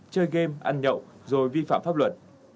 chơi game ăn nhậu rồi vi phạm pháp luận